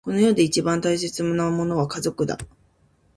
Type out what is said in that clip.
この世で一番大切なものは家族だ。